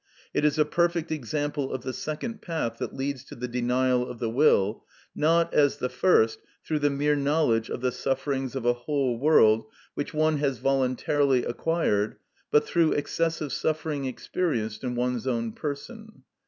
It is a perfect example of the second path that leads to the denial of the will, not, as the first, through the mere knowledge of the sufferings of a whole world which one has voluntarily acquired, but through excessive suffering experienced in one's own person.